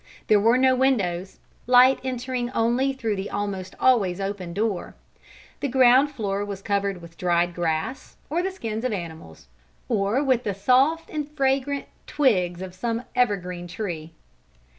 There were no windows, light entering only through the almost always open door. The ground floor was covered with dried grass, or the skins of animals, or with the soft and fragrant twigs of some evergreen tree.